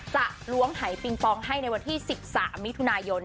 ล้วงหายปิงปองให้ในวันที่๑๓มิถุนายน